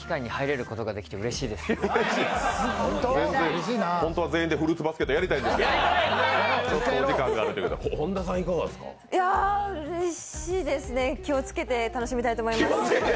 いや、うれしいですね、気をつけて楽しみたいと思います。